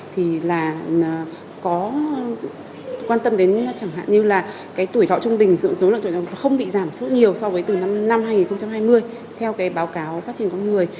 thì là có quan tâm đến chẳng hạn như là cái tuổi thọ trung bình dự rối là tuổi thọ không bị giảm rất nhiều so với từ năm hai nghìn hai mươi theo cái báo cáo phát triển con người